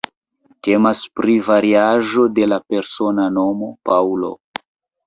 Temas pri variaĵo de la persona nomo "Paŭlo".